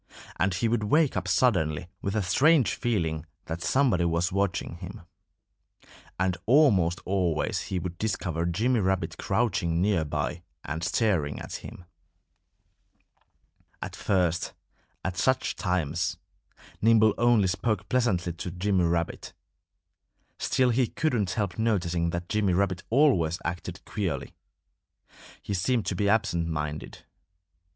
And he would wake up suddenly with a strange feeling that somebody was watching him. And almost always he would discover Jimmy Rabbit crouching near by and staring at him. At first, at such times, Nimble only spoke pleasantly to Jimmy Rabbit. Still he couldn't help noticing that Jimmy Rabbit always acted queerly. He seemed to be absent minded.